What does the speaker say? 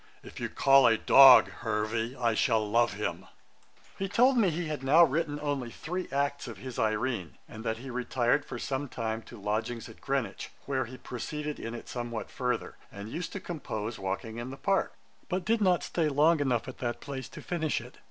If you call a dog HERVEY, I shall love him.' He told me he had now written only three acts of his Irene, and that he retired for some time to lodgings at Greenwich, where he proceeded in it somewhat further, and used to compose, walking in the Park; but did not stay long enough at that place to finish it.